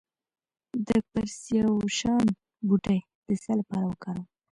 د پرسیاوشان بوټی د څه لپاره وکاروم؟